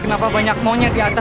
kenapa banyak monyet ya